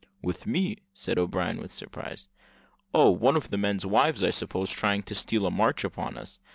"With me!" said O'Brien, with surprise. "Oh! one of the men's wives, I suppose, trying to steal a march upon us.